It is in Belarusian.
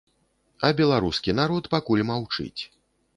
А беларускі народ пакуль маўчыць.